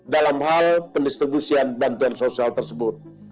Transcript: dalam hal pendistribusian bantuan sosial tersebut